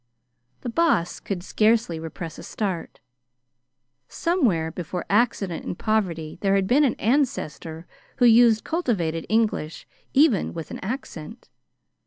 The Boss could scarcely repress a start. Somewhere before accident and poverty there had been an ancestor who used cultivated English, even with an accent.